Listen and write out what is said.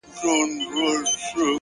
پوهه د ذهن قفلونه پرانیزي!